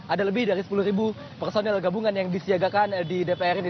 ada lebih dari sepuluh personil gabungan yang disiagakan di dpr ini